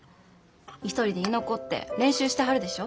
一人で居残って練習してはるでしょ。